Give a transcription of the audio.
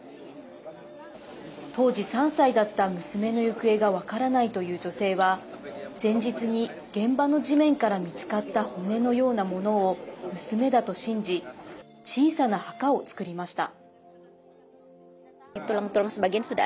当時３歳だった娘の行方が分からないという女性は前日に現場の地面から見つかった骨のようなものを娘だと信じ小さな墓を作りました。